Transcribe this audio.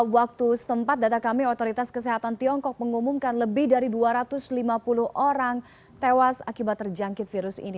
waktu setempat data kami otoritas kesehatan tiongkok mengumumkan lebih dari dua ratus lima puluh orang tewas akibat terjangkit virus ini